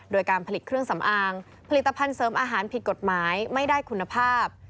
โดยการผลิตเครื่องสำอางผลิตภัณฑ์เสริมอาหารผิดกฎหมายไม่ได้คุณภาพ